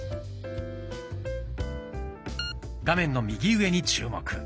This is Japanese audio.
画面の右上に注目。